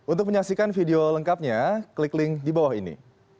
untuk menyaksikan video lengkapnya klik link di bawah ini